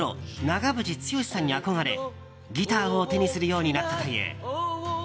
長渕剛さんに憧れギターを手にするようになったという。